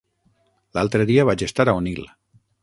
L'altre dia vaig estar a Onil.